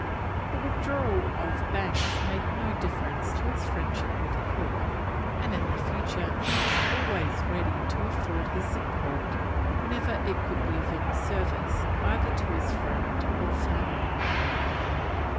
The withdrawal of Banks made no difference to his friendship with Cook, and in the future he was always ready to afford his support whenever it could be of any service either to his friend or family.